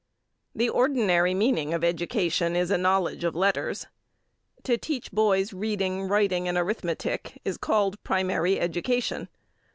The ordinary meaning of education is a knowledge of letters. To teach boys reading, writing and arithmetic is called primary education.